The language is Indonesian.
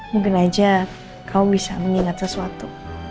mungkin aja kau bisa mengingat sesuatu